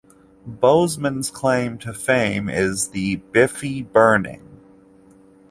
Bowsman's claim to fame is the "Biffy Burning".